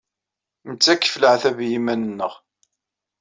Nettakf leɛtab i yiman-nneɣ.